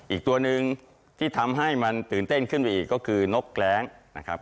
อีกตัวหนึ่งที่ทำให้มันตื่นเต้นขึ้นไปอีกก็คือนกแร้งนะครับ